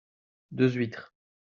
Deux huîtres.